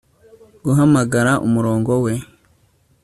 Guhamagara umurongo we